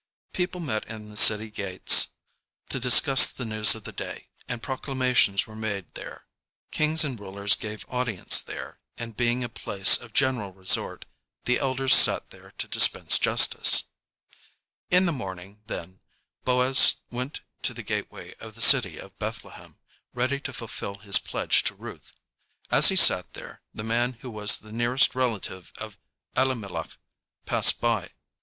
People met in the city gates to discuss the news of the day, and proclamations were made there. Kings and rulers gave audience there, and being a place of general resort, the elders sat there to dispense justice. [Illustration: "KINGS AND RULERS GAVE AUDIENCE THERE."] In the morning, then, Boaz went to the gateway of the city of Bethlehem, ready to fulfill his pledge to Ruth. As he sat there, the man who was the nearest relative of Elimelech passed by.